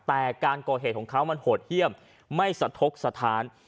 แต่การก่อเหตุของเขามันโหดเยี่ยมไม่สะทกสถาน